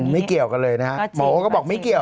ไม่เกี่ยวกันเลยนะฮะหมอก็บอกไม่เกี่ยว